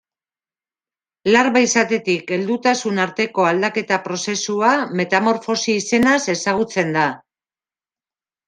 Larba izatetik heldutasun arteko aldaketa prozesua metamorfosi izenaz ezagutzen da.